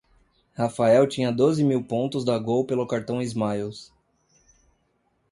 Rafael tinha doze mil pontos da Gol pelo cartão Smiles.